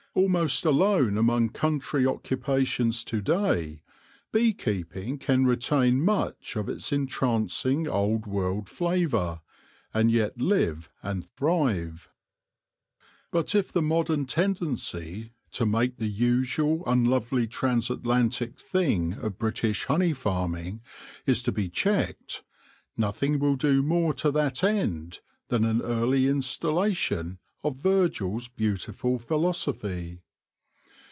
Almost alone among country occupations to day, bee keeping can retain much of its entrancing old THE ANCIENTS AND THE HONEY BEE 3 world flavour, and yet live and thrive. But if the modern tendency to make the usual unlovely trans atlantic thing of British honey farming is to be checked, nothing will do more to that end than an early instillation of Virgil's beautiful philosophy.